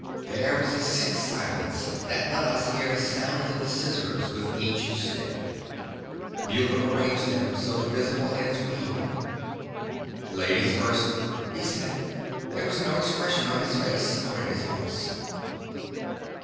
There was a sick silence that let us hear the sounds of the scissors with each snip. Muller arranged them so the visible ends were even. "Ladies first," he said. There was no expression on his face or in his voice.